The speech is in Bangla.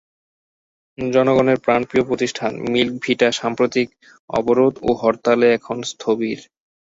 জনগণের প্রাণপ্রিয় প্রতিষ্ঠান মিল্ক ভিটা সাম্প্রতিক অবরোধ ও হরতালে এখন স্থবির।